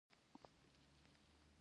داسې سیستم چې پایدار وي.